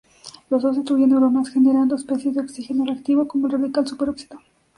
Los dos destruyen neuronas generando especies de oxígeno reactivo, como el radical superóxido.